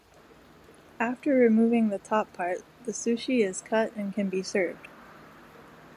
After removing the top part, the sushi is cut and can be served.